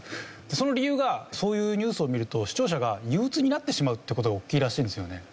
その理由がそういうニュースを見ると視聴者が憂鬱になってしまうって事が大きいらしいんですよね。